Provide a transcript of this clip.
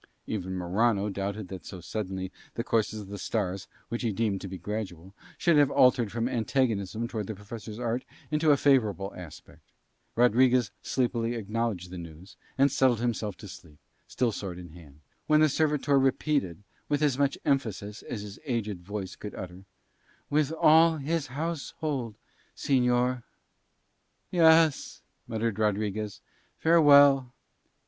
Even Morano doubted that so suddenly the courses of the stars, which he deemed to be gradual, should have altered from antagonism towards the Professor's art into a favourable aspect. Rodriguez sleepily acknowledged the news and settled himself to sleep, still sword in hand, when the servitor repeated with as much emphasis as his aged voice could utter, "With all his household, señor." "Yes," muttered Rodriguez. "Farewell."